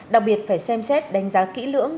đặc biệt phải xem xét đánh giá kỹ lưỡng